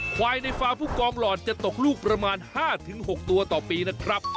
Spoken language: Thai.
ควายในฟาร์ผู้กองหลอดจะตกลูกประมาณ๕๖ตัวต่อปีนะครับ